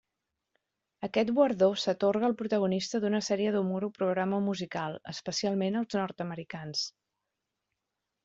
Aquest guardó s'atorga al protagonista d'una sèrie d'humor o programa musical, especialment els nord-americans.